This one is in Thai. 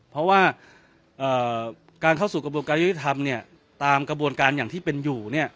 เพราะว่าการเข้าสู่กระบวนการยุทธิธรรมตามกระบวนการอย่างที่เป็นอยู่